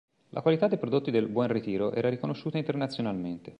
La qualità dei prodotti del Buen Retiro era riconosciuta internazionalmente.